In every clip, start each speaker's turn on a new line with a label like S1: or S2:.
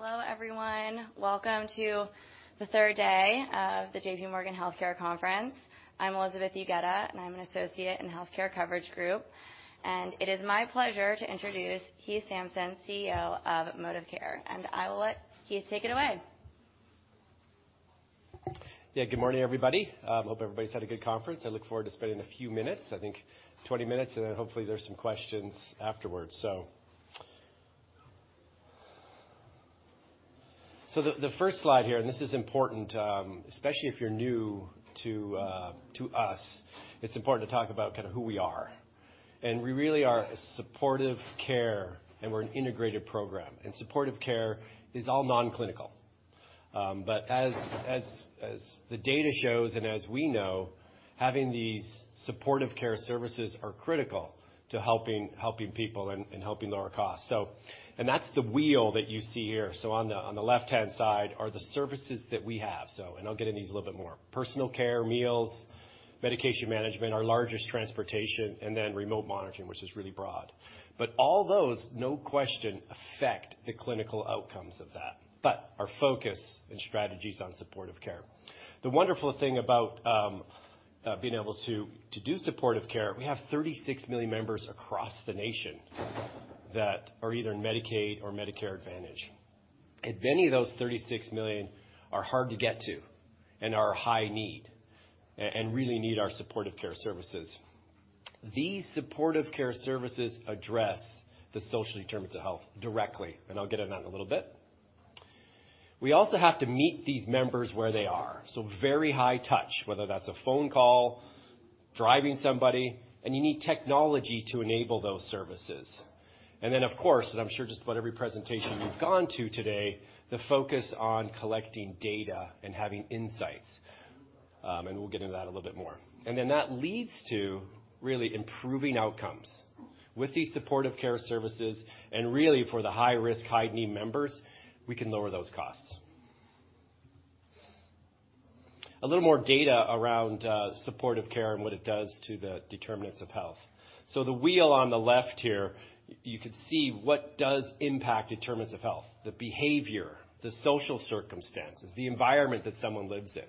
S1: Hello, everyone. Welcome to the third day of the J.P. Morgan Health Care Conference. I'm Elizabeth Egan, and I'm an associate in Health Care Coverage Group. It is my pleasure to introduce Heath Sampson, CEO of ModivCare. I will let Heath take it away.
S2: Yeah. Good morning, everybody. Hope everybody's had a good conference. I look forward to spending a few minutes, I think 20 minutes, and then hopefully there's some questions afterwards. The first slide here, this is important, especially if you're new to us, it's important to talk about kind of who we are. We really are supportive care, and we're an integrated program. Supportive care is all non-clinical. As the data shows and as we know, having these supportive care services are critical to helping people and helping lower costs. That's the wheel that you see here. On the left-hand side are the services that we have. I'll get into these a little bit more. Personal care, meals, medication management, our largest, transportation, and then remote monitoring, which is really broad. All those, no question, affect the clinical outcomes of that. Our focus and strategy is on supportive care. The wonderful thing about being able to do supportive care, we have 36 million members across the nation that are either in Medicaid or Medicare Advantage. Many of those 36 million are hard to get to and are high need and really need our supportive care services. These supportive care services address the social determinants of health directly, and I'll get into that in a little bit. We also have to meet these members where they are, so very high touch, whether that's a phone call, driving somebody, and you need technology to enable those services. Of course, as I'm sure just about every presentation you've gone to today, the focus on collecting data and having insights, and we'll get into that a little bit more. That leads to really improving outcomes. With these supportive care services, and really for the high-risk, high-need members, we can lower those costs. A little more data around supportive care and what it does to the determinants of health. The wheel on the left here, you could see what does impact determinants of health, the behavior, the social circumstances, the environment that someone lives in.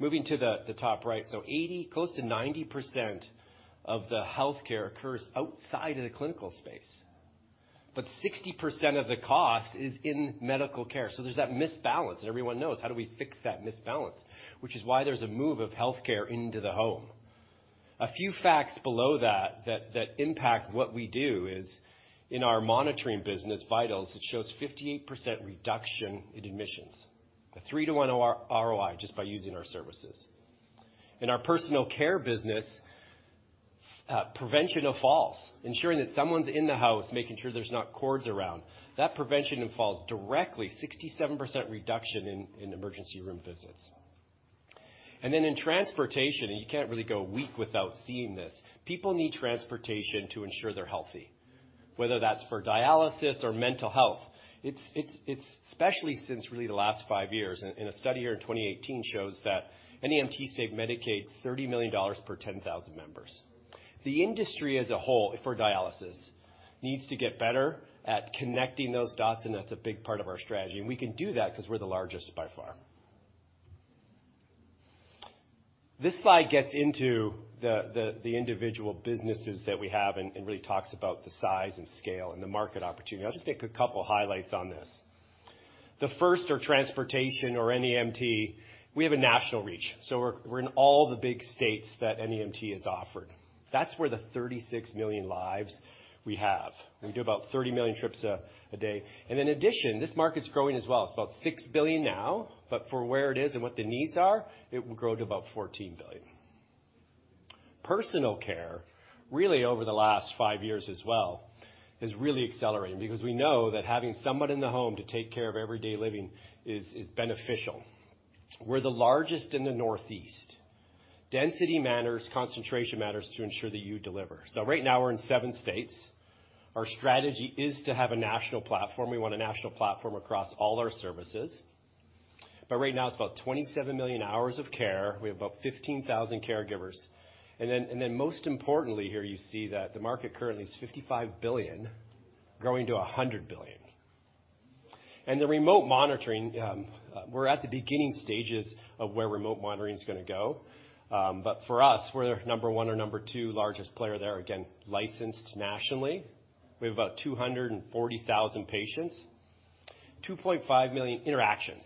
S2: Moving to the top right. Eighty, close to 90% of the healthcare occurs outside of the clinical space, but 60% of the cost is in medical care. There's that misbalance, and everyone knows, how do we fix that misbalance? Which is why there's a move of healthcare into the home. A few facts below that impact what we do is in our monitoring business, Vitals, it shows 58% reduction in admissions, a 3-to-1 ROI just by using our services. In our personal care business, prevention of falls, ensuring that someone's in the house, making sure there's not cords around. That prevention in falls directly 67% reduction in emergency room visits. In transportation, and you can't really go a week without seeing this, people need transportation to ensure they're healthy, whether that's for dialysis or mental health. It's especially since really the last five years. A study here in 2018 shows that NEMT saved Medicaid $30 million per 10,000 members. The industry as a whole, for dialysis, needs to get better at connecting those dots, that's a big part of our strategy. We can do that 'cause we're the largest by far. This slide gets into the individual businesses that we have and really talks about the size and scale and the market opportunity. I'll just take a couple highlights on this. The first are transportation or NEMT. We have a national reach, we're in all the big states that NEMT is offered. That's where the 36 million lives we have. We do about 30 million trips a day. In addition, this market's growing as well. It's about $6 billion now, for where it is and what the needs are, it will grow to about $14 billion. Personal care, really over the last five years as well, is really accelerating because we know that having someone in the home to take care of everyday living is beneficial. We're the largest in the Northeast. Density matters, concentration matters to ensure that you deliver. Right now we're in seven states. Our strategy is to have a national platform. We want a national platform across all our services. Right now it's about 27 million hours of care. We have about 15,000 caregivers. Most importantly here, you see that the market currently is $55 billion, growing to $100 billion. The remote monitoring, we're at the beginning stages of where remote monitoring's gonna go. For us, we're the number one or number two largest player there. Again, licensed nationally. We have about 240,000 patients, 2.5 million interactions,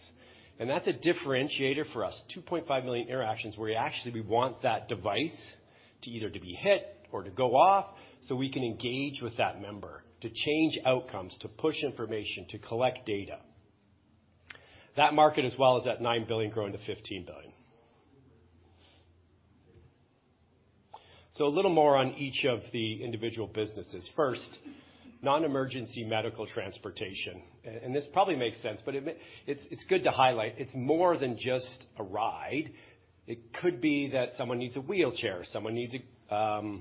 S2: that's a differentiator for us. 2.5 million interactions where actually we want that device to either be hit or to go off, we can engage with that member to change outcomes, to push information, to collect data. That market as well is at $9 billion, growing to $15 billion. A little more on each of the individual businesses. First, non-emergency medical transportation. This probably makes sense, It's good to highlight it's more than just a ride. It could be that someone needs a wheelchair, someone needs a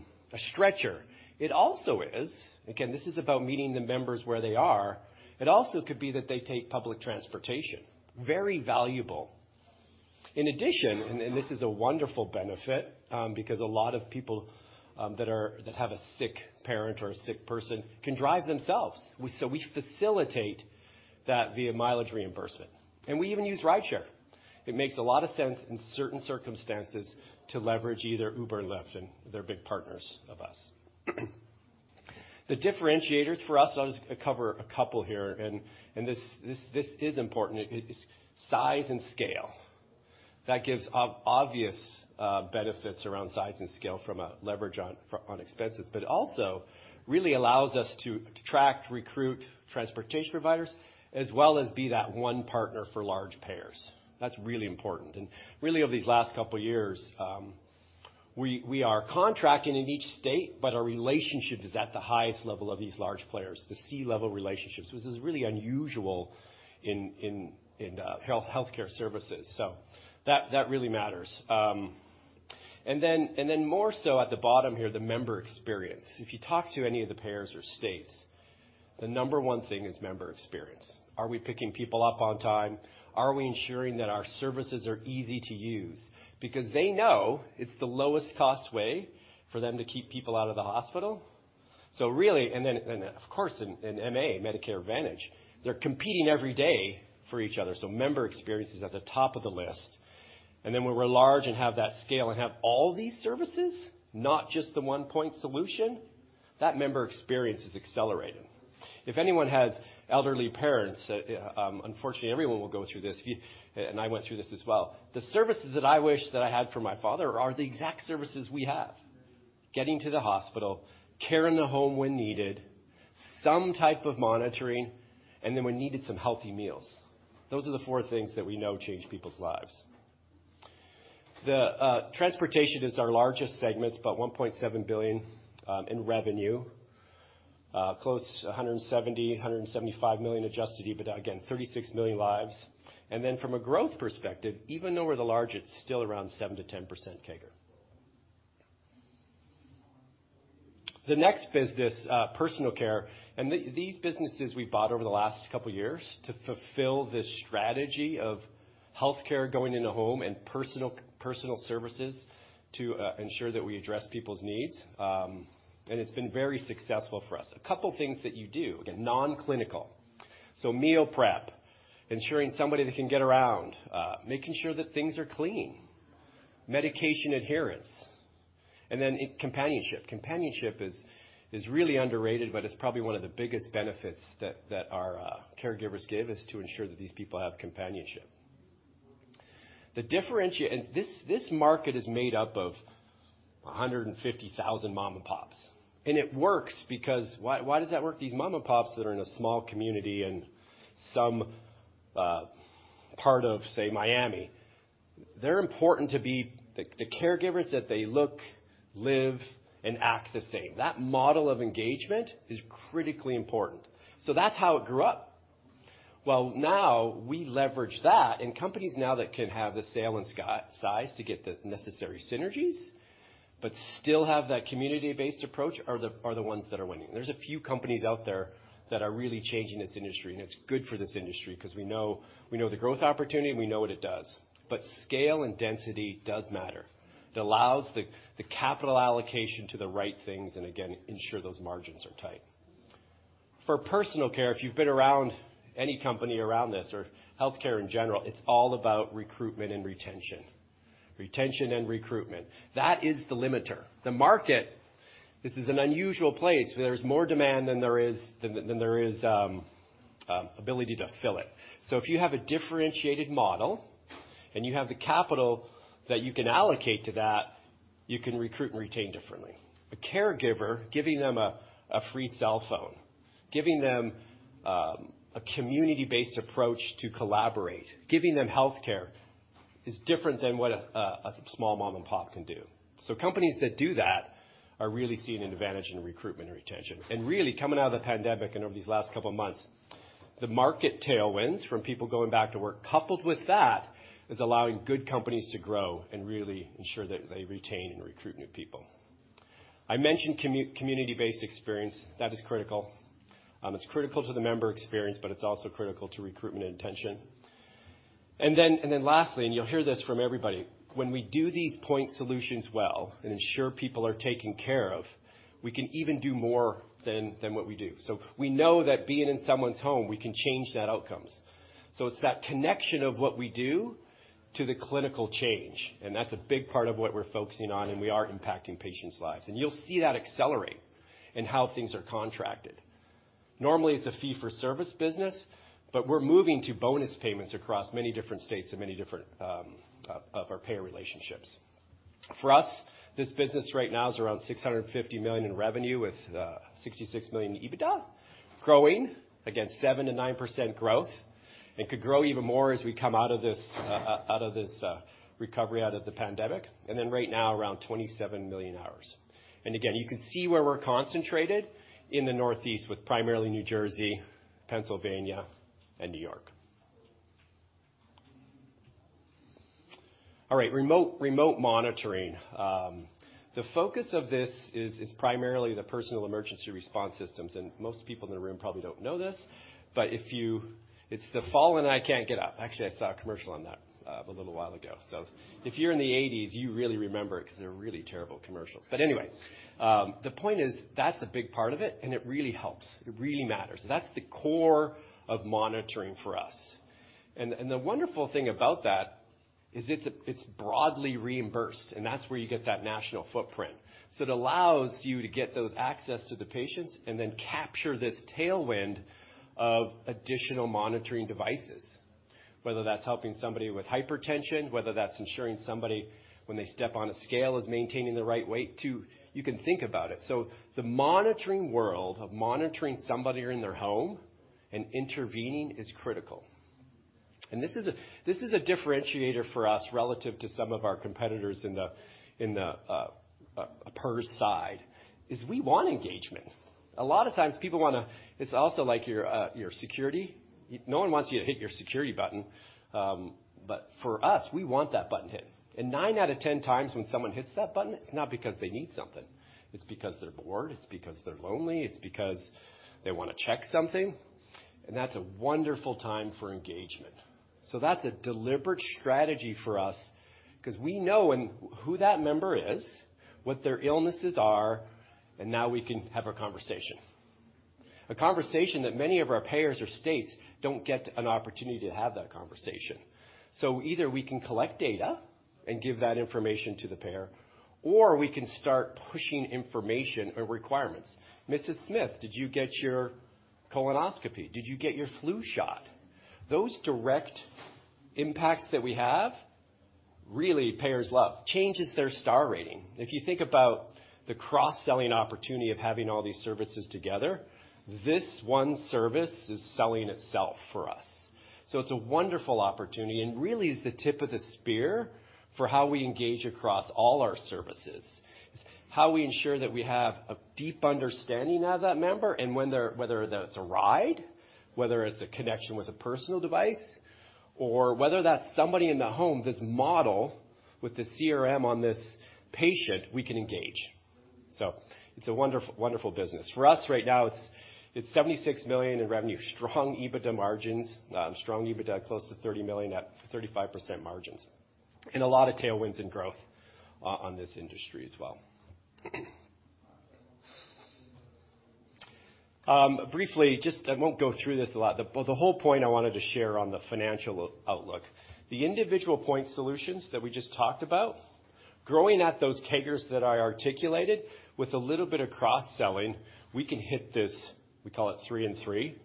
S2: stretcher. It also is, again, this is about meeting the members where they are, it also could be that they take public transportation. Very valuable. In addition, this is a wonderful benefit, because a lot of people that have a sick parent or a sick person can drive themselves. So we facilitate that via mileage reimbursement, and we even use rideshare. It makes a lot of sense in certain circumstances to leverage either Uber and Lyft. They're big partners of us. The differentiators for us, I'll just cover a couple here. This is important. It's size and scale. That gives obvious benefits around size and scale from a leverage on expenses. It also really allows us to attract, recruit transportation providers, as well as be that one partner for large payers. That's really important. Really, over these last couple years, we are contracting in each state, but our relationship is at the highest level of these large players, the C-level relationships, which is really unusual in healthcare services, that really matters. More so at the bottom here, the member experience. If you talk to any of the payers or states, the number one thing is member experience. Are we picking people up on time? Are we ensuring that our services are easy to use? They know it's the lowest cost way for them to keep people out of the hospital. Of course, in MA, Medicare Advantage, they're competing every day for each other, member experience is at the top of the list. When we're large and have that scale and have all these services, not just the one-point solution, that member experience is accelerating. If anyone has elderly parents, unfortunately, everyone will go through this. I went through this as well. The services that I wish that I had for my father are the exact services we have. Getting to the hospital, care in the home when needed, some type of monitoring, and then when needed, some healthy meals. Those are the four things that we know change people's lives. Transportation is our largest segment, it's about $1.7 billion in revenue, close to $170 million-$175 million adjusted EBITDA. Again, 36 million lives. From a growth perspective, even though we're the largest, still around 7%-10% CAGR. The next business, personal care, these businesses we bought over the last couple years to fulfill this strategy of healthcare going in the home and personal services to ensure that we address people's needs. It's been very successful for us. A couple things that you do. Again, non-clinical. Meal prep, ensuring somebody that can get around, making sure that things are clean, medication adherence, and then companionship. Companionship is really underrated, but it's probably one of the biggest benefits that our caregivers give is to ensure that these people have companionship. This market is made up of 150,000 mom-and-pops. It works because... Why does that work? These mom-and-pops that are in a small community in some part of, say, Miami, they're important to be... The caregivers, that they look, live, and act the same. That model of engagement is critically important. That's how it grew up. Now we leverage that, and companies now that can have the sale and size to get the necessary synergies, but still have that community-based approach are the ones that are winning. There's a few companies out there that are really changing this industry, and it's good for this industry because we know the growth opportunity, and we know what it does. Scale and density does matter. It allows the capital allocation to the right things and again, ensure those margins are tight. For personal care, if you've been around any company around this or healthcare in general, it's all about recruitment and retention. Retention and recruitment. That is the limiter. The market, this is an unusual place where there's more demand than there is ability to fill it. If you have a differentiated model, and you have the capital that you can allocate to that, you can recruit and retain differently. A caregiver, giving them a free cell phone, giving them a community-based approach to collaborate, giving them healthcare is different than what a small mom-and-pop can do. Companies that do that are really seeing an advantage in recruitment and retention. Really, coming out of the pandemic and over these last couple of months, the market tailwinds from people going back to work, coupled with that, is allowing good companies to grow and really ensure that they retain and recruit new people. I mentioned community-based experience. That is critical. It's critical to the member experience, but it's also critical to recruitment and retention. Lastly, you'll hear this from everybody, when we do these point solutions well and ensure people are taken care of, we can even do more than what we do. We know that being in someone's home, we can change that outcomes. It's that connection of what we do to the clinical change, that's a big part of what we're focusing on, we are impacting patients' lives. You'll see that accelerate in how things are contracted. Normally, it's a fee-for-service business, but we're moving to bonus payments across many different states and many different of our payer relationships. For us, this business right now is around $650 million in revenue, with $66 million EBITDA. Growing, again, 7%-9% growth. It could grow even more as we come out of this, out of this, recovery out of the pandemic. Right now, around 27 million hours. You can see where we're concentrated in the Northeast with primarily New Jersey, Pennsylvania, and New York. All right, remote monitoring. The focus of this is primarily the personal emergency response systems, and most people in the room probably don't know this, but if you... It's the fall and I can't get up. Actually, I saw a commercial on that a little while ago. If you're in the 80s, you really remember it 'cause they were really terrible commercials. The point is, that's a big part of it, and it really helps. It really matters. That's the core of monitoring for us. The wonderful thing about that is it's broadly reimbursed, and that's where you get that national footprint. It allows you to get those access to the patients and then capture this tailwind of additional monitoring devices, whether that's helping somebody with hypertension, whether that's ensuring somebody, when they step on a scale, is maintaining the right weight to... You can think about it. The monitoring world of monitoring somebody in their home and intervening is critical. This is a differentiator for us relative to some of our competitors in the PERS side, is we want engagement. A lot of times people wanna... It's also like your security. No one wants you to hit your security button. For us, we want that button hit. 9 out of 10 times when someone hits that button, it's not because they need something. It's because they're bored, it's because they're lonely, it's because they wanna check something, and that's a wonderful time for engagement. That's a deliberate strategy for us 'cause we know who that member is, what their illnesses are, and now we can have a conversation. A conversation that many of our payers or states don't get an opportunity to have that conversation. Either we can collect data and give that information to the payer, or we can start pushing information or requirements. "Mrs. Smith, did you get your colonoscopy? Did you get your flu shot?" Those direct impacts that we have, really payers love. Changes their star rating. If you think about the cross-selling opportunity of having all these services together, this one service is selling itself for us. It's a wonderful opportunity and really is the tip of the spear for how we engage across all our services. It's how we ensure that we have a deep understanding of that member and when whether that's a ride, whether it's a connection with a personal device, or whether that's somebody in the home, this model with the CRM on this patient, we can engage. It's a wonderful business. For us right now, it's $76 million in revenue. Strong EBITDA margins. Strong EBITDA, close to $30 million at 35% margins. A lot of tailwinds and growth on this industry as well. Briefly, just I won't go through this a lot, but the whole point I wanted to share on the financial outlook. The individual point solutions that we just talked about, growing at those CAGRs that I articulated with a little bit of cross-selling, we can hit this, we call it three and three,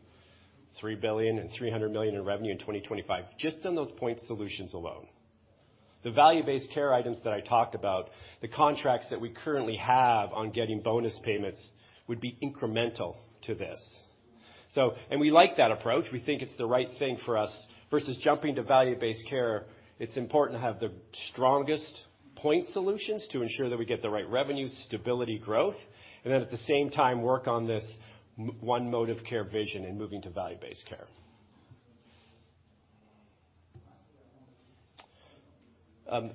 S2: $3 billion and $300 million in revenue in 2025, just on those point solutions alone. The value-based care items that I talked about, the contracts that we currently have on getting bonus payments would be incremental to this. We like that approach. We think it's the right thing for us. Versus jumping to value-based care, it's important to have the strongest point solutions to ensure that we get the right revenue, stability, growth, and then at the same time work on this one mode of care vision and moving to value-based care.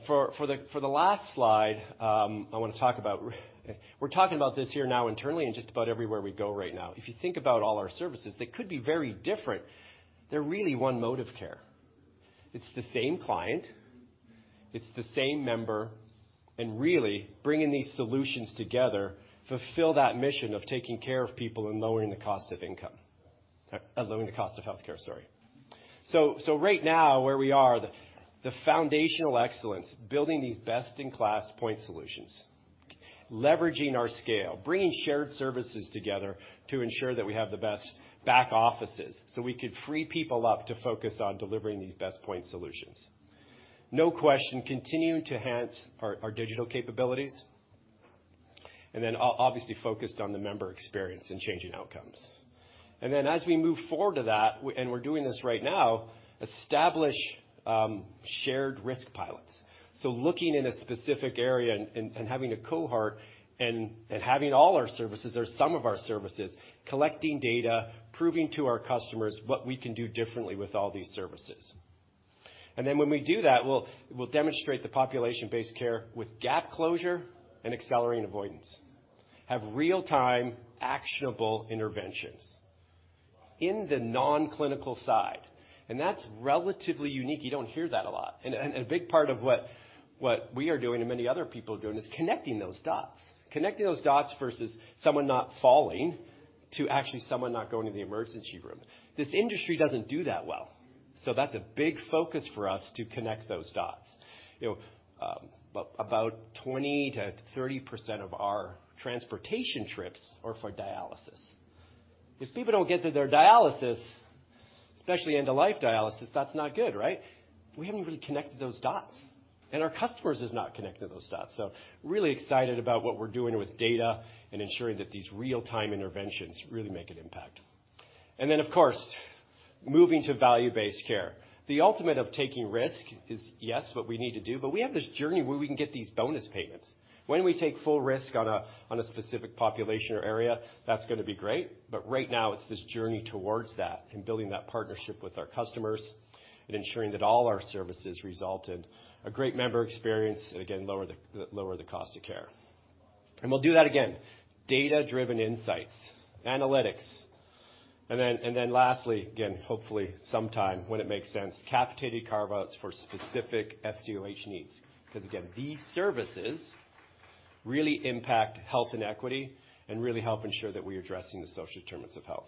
S2: For the last slide, I wanna talk about... We're talking about this here now internally and just about everywhere we go right now. If you think about all our services, they could be very different. They're really one mode of care. It's the same client, it's the same member, and really bringing these solutions together fulfill that mission of taking care of people and lowering the cost of income. Lowering the cost of healthcare, sorry. Right now, where we are, the foundational excellence, building these best-in-class point solutions, leveraging our scale, bringing shared services together to ensure that we have the best back offices, so we could free people up to focus on delivering these best point solutions. No question, continue to enhance our digital capabilities, and then obviously focused on the member experience and changing outcomes. As we move forward to that, we're doing this right now, establish shared risk pilots. Looking in a specific area and having a cohort and having all our services or some of our services, collecting data, proving to our customers what we can do differently with all these services. When we do that, we'll demonstrate the population-based care with gap closure and accelerating avoidance. Have real-time actionable interventions in the non-clinical side, and that's relatively unique. You don't hear that a lot. A big part of what we are doing and many other people are doing is connecting those dots. Connecting those dots versus someone not falling to actually someone not going to the emergency room. This industry doesn't do that well. That's a big focus for us to connect those dots. You know, about 20%-30% of our transportation trips are for dialysis. If people don't get to their dialysis, especially end of life dialysis, that's not good, right? We haven't really connected those dots, and our customers has not connected those dots. Really excited about what we're doing with data and ensuring that these real-time interventions really make an impact. Of course, moving to value-based care. The ultimate of taking risk is, yes, what we need to do, but we have this journey where we can get these bonus payments. When we take full risk on a, on a specific population or area, that's gonna be great, but right now it's this journey towards that and building that partnership with our customers and ensuring that all our services result in a great member experience, and again, lower the cost of care. We'll do that again, data-driven insights, analytics. Then lastly, again, hopefully sometime when it makes sense, capitated carve-outs for specific SDOH needs. Again, these services really impact health inequity and really help ensure that we're addressing the social determinants of health.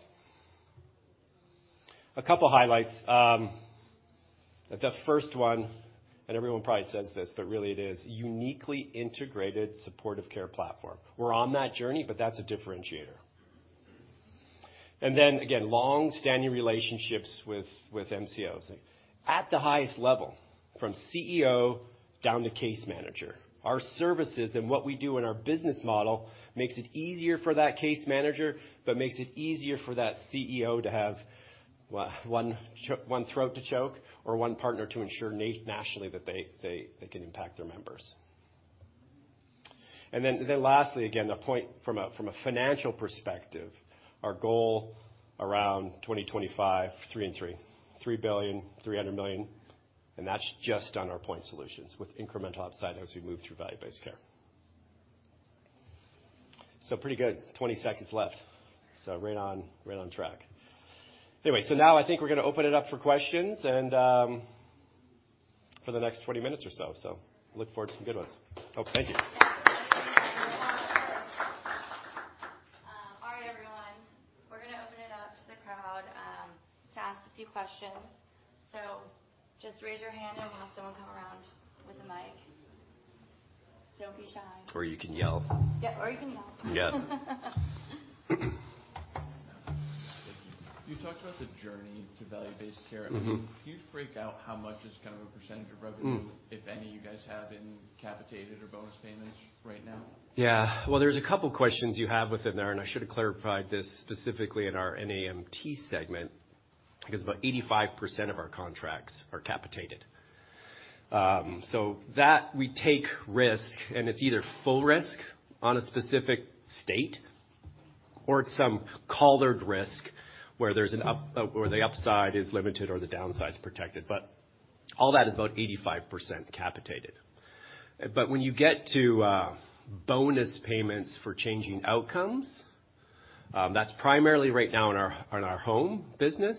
S2: A couple highlights. The first one, and everyone probably says this, but really it is, uniquely integrated supportive care platform. We're on that journey, but that's a differentiator. Then again, long-standing relationships with MCOs at the highest level from CEO down to case manager. Our services and what we do in our business model makes it easier for that case manager, makes it easier for that CEO to have one throat to choke or one partner to ensure nationally that they can impact their members. Then lastly, again, a point from a financial perspective, our goal around 2025, three and three, $3 billion, $300 million, and that's just on our point solutions with incremental upside as we move through value-based care. Pretty good. 20 seconds left, right on, right on track. Now I think we're gonna open it up for questions and for the next 20 minutes or so. Look forward to some good ones. Thank you.
S1: All right, everyone. We're gonna open it up to the crowd, to ask a few questions. Just raise your hand, and we'll have someone come around with a mic. Don't be shy.
S2: You can yell.
S1: Yeah. You can yell.
S2: Yeah.
S3: Thank you. You talked about the journey to value-based care.
S2: Mm-hmm.
S3: I mean, can you break out how much is kind of a percentage of revenue?
S2: Hmm.
S3: If any, you guys have in capitated or bonus payments right now?
S2: Well, there's a couple questions you have within there, I should have clarified this specifically in our NEMT segment because about 85% of our contracts are capitated. So that we take risk, and it's either full risk on a specific state, or it's some collared risk where the upside is limited or the downside's protected. All that is about 85% capitated. When you get to bonus payments for changing outcomes, that's primarily right now in our, in our home business.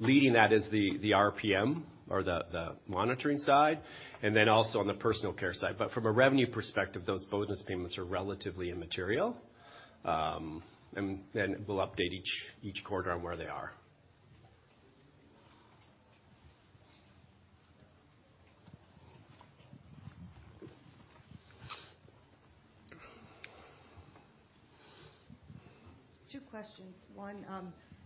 S2: Leading that is the RPM or the monitoring side, and then also on the personal care side. From a revenue perspective, those bonus payments are relatively immaterial. Then we'll update each quarter on where they are.
S3: Two questions. One,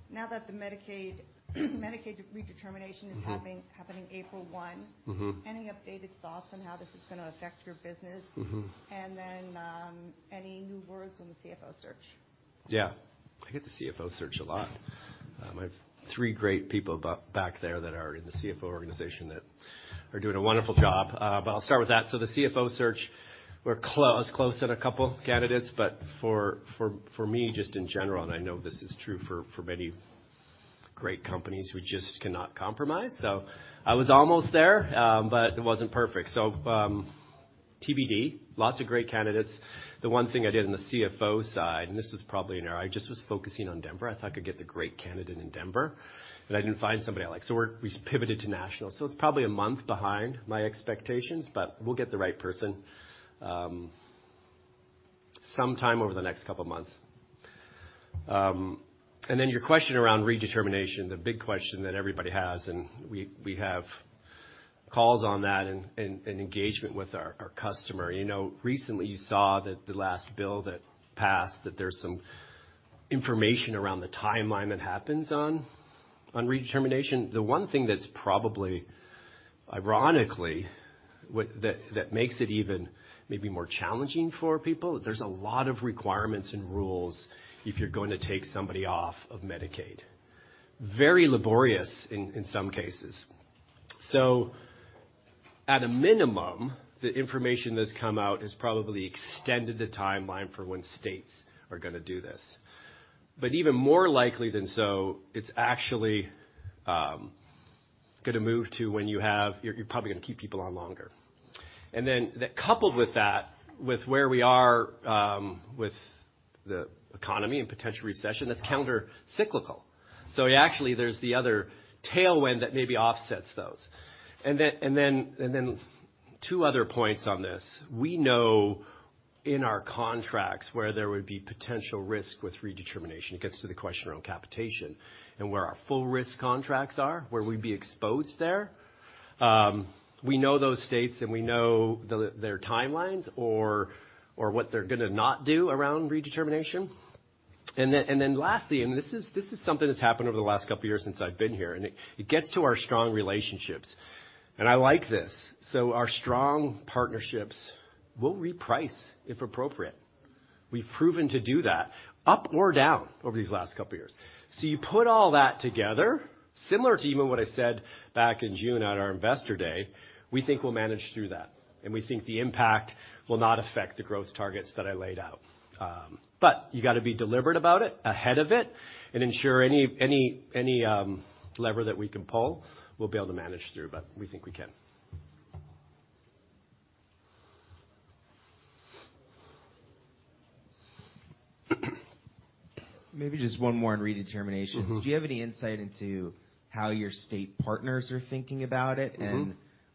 S3: now that the Medicaid redetermination is happening April 1.
S2: Mm-hmm.
S3: Any updated thoughts on how this is gonna affect your business?
S2: Mm-hmm.
S3: Then, any new words on the CFO search?
S2: Yeah. I get the CFO search a lot. I have three great people back there that are in the CFO organization that are doing a wonderful job. I'll start with that. The CFO search, I was close to a couple candidates, but for me, just in general, and I know this is true for many great companies, we just cannot compromise. I was almost there, but it wasn't perfect. TBD, lots of great candidates. The one thing I did on the CFO side, and this is probably an error, I just was focusing on Denver. I thought I could get the great candidate in Denver, but I didn't find somebody I like. We pivoted to national. It's probably a month behind my expectations, but we'll get the right person sometime over the next couple months. Your question around redetermination, the big question that everybody has, and we have calls on that and engagement with our customer. You know, recently you saw that the last bill that passed, that there's some information around the timeline that happens on redetermination. The one thing that's probably, ironically, that makes it even maybe more challenging for people, there's a lot of requirements and rules if you're going to take somebody off of Medicaid. Very laborious in some cases. At a minimum, the information that's come out has probably extended the timeline for when states are gonna do this. Even more likely than so, it's actually, it's gonna move to when you have... You're probably gonna keep people on longer. That coupled with that, with where we are with the economy and potential recession, that's counter cyclical. Actually, there's the other tailwind that maybe offsets those. Two other points on this. We know in our contracts where there would be potential risk with redetermination. It gets to the question around capitation and where our full risk contracts are, where we'd be exposed there. We know those states, and we know their timelines or what they're gonna not do around redetermination. Lastly, this is something that's happened over the last couple of years since I've been here, and it gets to our strong relationships, and I like this. Our strong partnerships will reprice if appropriate. We've proven to do that up or down over these last couple of years. You put all that together, similar to even what I said back in June at our investor day, we think we'll manage through that, and we think the impact will not affect the growth targets that I laid out. You gotta be deliberate about it, ahead of it, and ensure any lever that we can pull, we'll be able to manage through, but we think we can.
S3: Maybe just one more on redeterminations.
S2: Mm-hmm.
S3: Do you have any insight into how your state partners are thinking about it?
S2: Mm-hmm.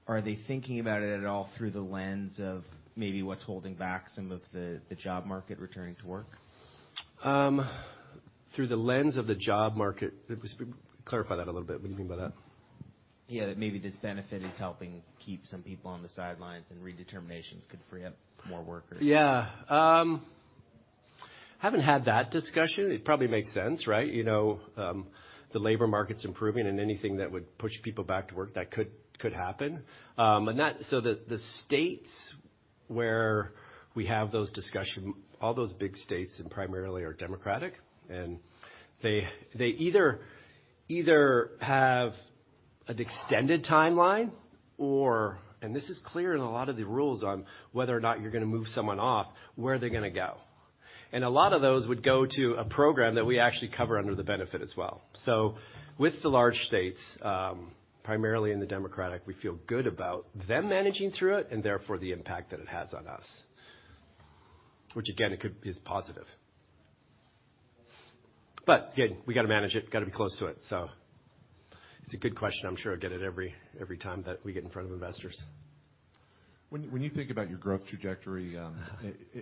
S3: Are they thinking about it at all through the lens of maybe what's holding back some of the job market returning to work?
S2: Through the lens of the job market. Just clarify that a little bit. What do you mean by that?
S3: Yeah, that maybe this benefit is helping keep some people on the sidelines, and redeterminations could free up more workers.
S2: Yeah. Haven't had that discussion. It probably makes sense, right? You know, the labor market's improving and anything that would push people back to work, that could happen. The states where we have those discussion, all those big states and primarily are Democratic, and they either have an extended timeline or, and this is clear in a lot of the rules on whether or not you're gonna move someone off, where are they gonna go? A lot of those would go to a program that we actually cover under the benefit as well. With the large states, primarily in the Democratic, we feel good about them managing through it, and therefore, the impact that it has on us, which again, it could is positive. Again, we gotta manage it, gotta be close to it. It's a good question. I'm sure I'll get it every time that we get in front of investors.
S3: When you think about your growth trajectory,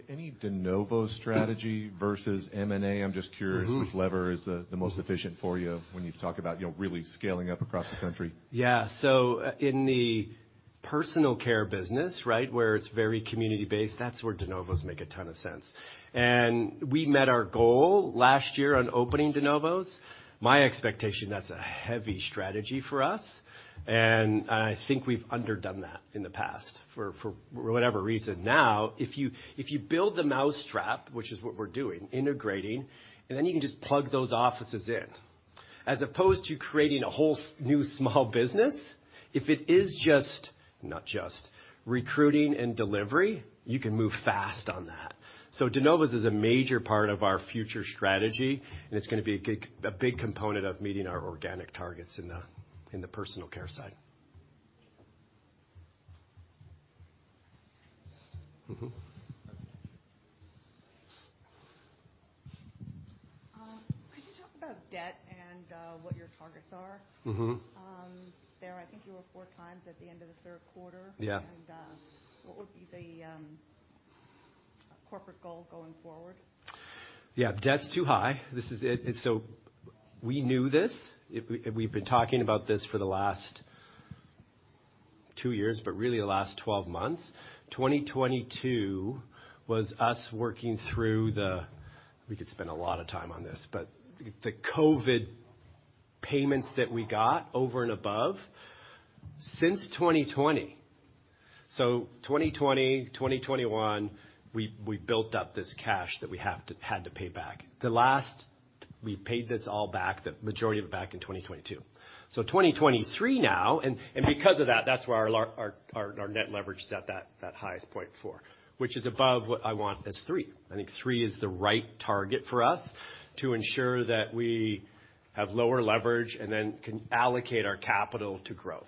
S3: any de novo strategy versus M&A, I'm just curious.
S2: Mm-hmm.
S3: Which lever is the most efficient for you when you talk about, you know, really scaling up across the country?
S2: Yeah. In the personal care business, right? Where it's very community-based, that's where de novos make a ton of sense. We met our goal last year on opening de novos. My expectation, that's a heavy strategy for us, and I think we've underdone that in the past for whatever reason. Now, if you build the mousetrap, which is what we're doing, integrating, then you can just plug those offices in. As opposed to creating a whole new small business, if it is just, not just, recruiting and delivery, you can move fast on that. De novos is a major part of our future strategy, and it's gonna be a big component of meeting our organic targets in the personal care side.
S3: Could you talk about debt and what your targets are?
S2: Mm-hmm.
S3: They're I think you were four times at the end of the third quarter.
S2: Yeah.
S3: What would be the, corporate goal going forward?
S2: Yeah. Debt's too high. This is it. We knew this. We've been talking about this for the last two years, but really the last 12 months. 2022 was us working through the. We could spend a lot of time on this, but the COVID payments that we got over and above since 2020. 2020, 2021, we built up this cash that we had to pay back. We paid this all back, the majority of it back in 2022. 2023 now, because of that's where our net leverage is at that highest point for. Which is above what I want as three. I think three is the right target for us to ensure that we have lower leverage and then can allocate our capital to growth.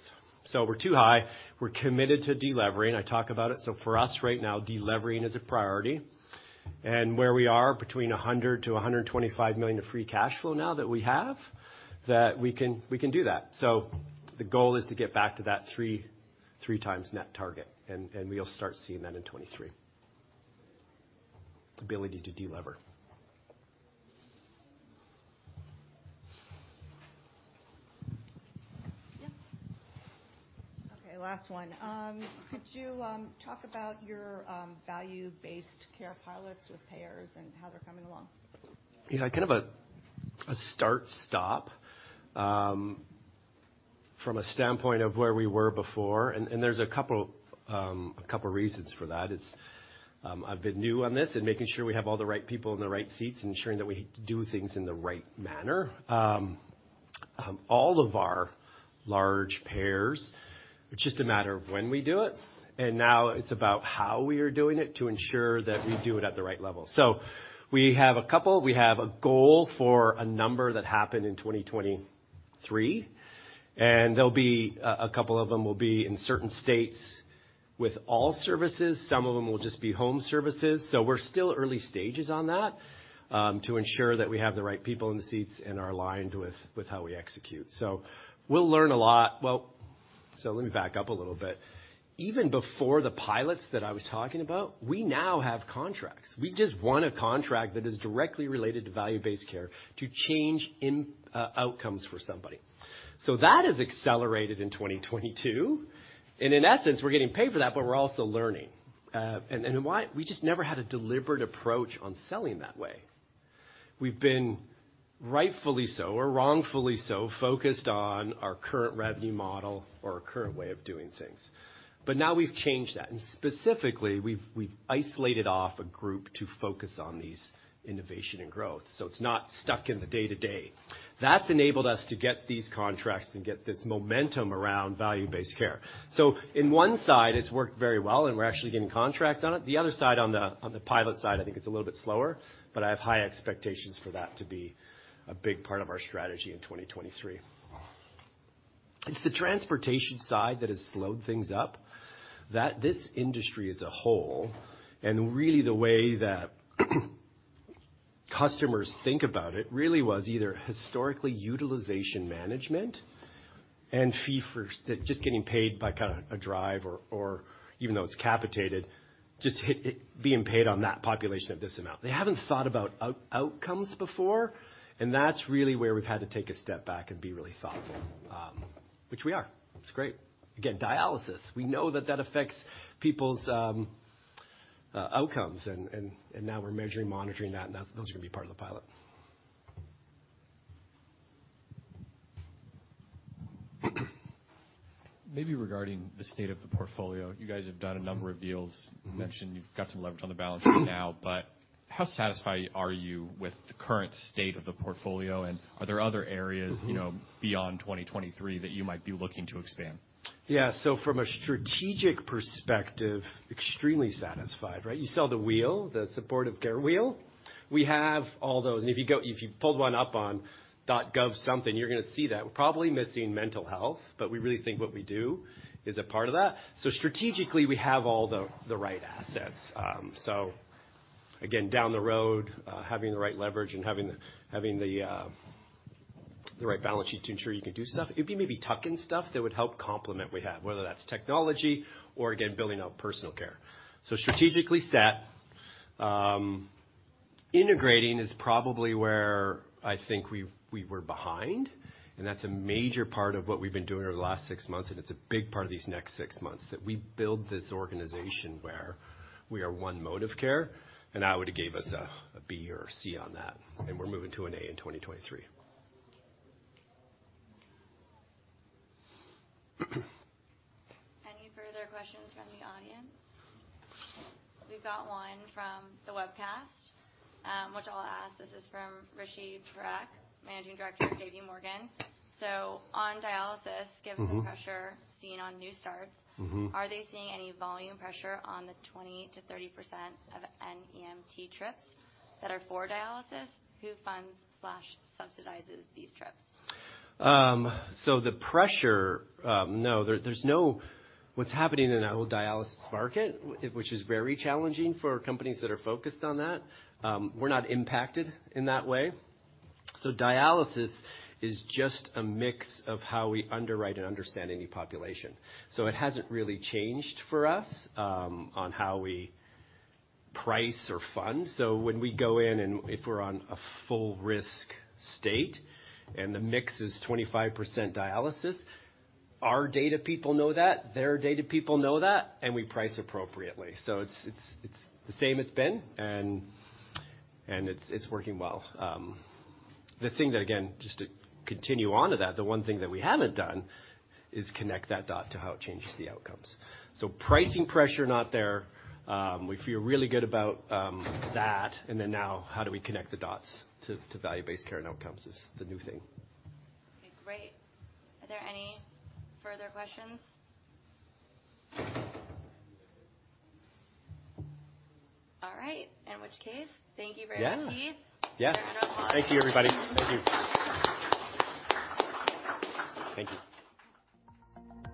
S2: We're too high. We're committed to delevering. I talk about it. For us right now, delevering is a priority. Where we are between $100 million-$125 million of free cash flow now that we have, that we can do that. The goal is to get back to that three times net target, and we'll start seeing that in 2023. The ability to delever.
S3: Okay, last one. Could you talk about your value-based care pilots with payers and how they're coming along?
S2: Yeah. Kind of a start/stop from a standpoint of where we were before. There's a couple reasons for that. It's, I've been new on this and making sure we have all the right people in the right seats and ensuring that we do things in the right manner. All of our large payers, it's just a matter of when we do it, and now it's about how we are doing it to ensure that we do it at the right level. We have a couple. We have a goal for a number that happened in 2023, there'll be a couple of them will be in certain states with all services. Some of them will just be home services. We're still early stages on that, to ensure that we have the right people in the seats and are aligned with how we execute. We'll learn a lot. Let me back up a little bit. Even before the pilots that I was talking about, we now have contracts. We just won a contract that is directly related to value-based care to change in outcomes for somebody. That has accelerated in 2022, and in essence, we're getting paid for that, but we're also learning. We just never had a deliberate approach on selling that way. We've been, rightfully so or wrongfully so, focused on our current revenue model or our current way of doing things. Now we've changed that, and specifically, we've isolated off a group to focus on these innovation and growth. It's not stuck in the day-to-day. That's enabled us to get these contracts and get this momentum around value-based care. In one side, it's worked very well, and we're actually getting contracts on it. The other side, on the pilot side, I think it's a little bit slower, but I have high expectations for that to be a big part of our strategy in 2023. It's the transportation side that has slowed things up, that this industry as a whole, and really the way that customers think about it really was either historically utilization management and fee-for-service, just getting paid by kind of a drive or even though it's capitated, just being paid on that population at this amount. They haven't thought about outcomes before. That's really where we've had to take a step back and be really thoughtful, which we are. It's great. Dialysis. We know that that affects people's outcomes and now we're measuring, monitoring that, and that's gonna be part of the pilot.
S3: Maybe regarding the state of the portfolio, you guys have done a number of deals.
S2: Mm-hmm.
S3: You mentioned you've got some leverage on the balance sheet now, but how satisfied are you with the current state of the portfolio, and are there other areas?
S2: Mm-hmm.
S3: You know, beyond 2023 that you might be looking to expand?
S2: From a strategic perspective, extremely satisfied, right? You saw the wheel, the supportive care wheel. We have all those. If you pulled one up on .gov something, you're gonna see that. We're probably missing mental health, but we really think what we do is a part of that. Strategically, we have all the right assets. Again, down the road, having the right leverage and having the right balance sheet to ensure you can do stuff. It'd be maybe tuck-in stuff that would help complement what we have, whether that's technology or again, building out personal care. Strategically set. Integrating is probably where I think we were behind, and that's a major part of what we've been doing over the last six months, and it's a big part of these next six months. That we build this organization where we are one mode of care, and I would have gave us a B or a C on that, and we're moving to an A in 2023.
S1: Any further questions from the audience? We've got one from the webcast, which I'll ask. This is from Rishi Parekh, Managing Director at J.P. Morgan. On dialysis.
S2: Mm-hmm.
S1: Given the pressure seen on new starts.
S2: Mm-hmm.
S1: Are they seeing any volume pressure on the 20%-30% of NEMT trips that are for dialysis? Who funds/subsidizes these trips?
S2: The pressure, no. There's no. What's happening in the whole dialysis market, which is very challenging for companies that are focused on that, we're not impacted in that way. Dialysis is just a mix of how we underwrite and understand any population. It hasn't really changed for us, on how we price or fund. When we go in and if we're on a full risk state and the mix is 25% dialysis, our data people know that, their data people know that, and we price appropriately. It's, it's the same it's been, and it's working well. The thing that, again, just to continue on to that, the one thing that we haven't done is connect that dot to how it changes the outcomes. Pricing pressure, not there. We feel really good about that. Then now how do we connect the dots to value-based care and outcomes is the new thing.
S1: Okay. Great. Are there any further questions? All right. In which case, thank you very much, Heath.
S2: Yeah. Yeah.
S1: We're gonna applause.
S2: Thank you, everybody. Thank you. Thank you.